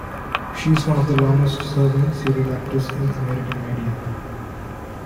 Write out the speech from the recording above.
She is one of the longest-serving serial actors in American media.